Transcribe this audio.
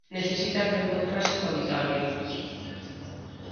Necesitan rencontrarse coa vitoria.